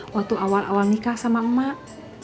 waktu awal awal nikah sama emak